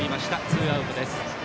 ツーアウトです。